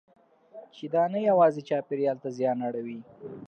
چې دا نه یوازې چاپېریال ته زیان اړوي.